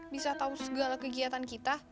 bisa tahu segala kegiatan kita